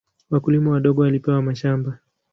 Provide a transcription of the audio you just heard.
Wakulima wadogo walipewa mashamba.